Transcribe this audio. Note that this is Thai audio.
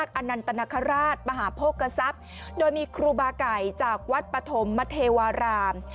โดยทำมีครูบ่าไก่จากวัตถม